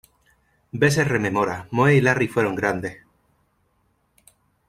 Besser rememora, "Moe y Larry fueron grandes.